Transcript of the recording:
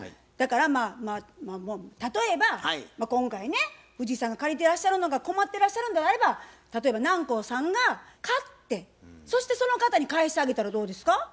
だからまあ例えば今回ね藤井さんが借りてらっしゃるのが困ってらっしゃるんであれば例えば南光さんが買ってそしてその方に返してあげたらどうですか？